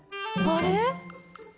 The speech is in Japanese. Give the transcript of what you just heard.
あれ？